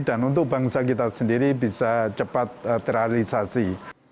dan untuk bangsa kita sendiri bisa cepat terrealisasi